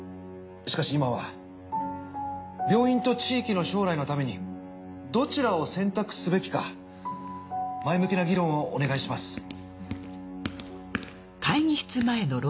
しかし今は病院と地域の将来のためにどちらを選択すべきか前向きな議論をお願いします。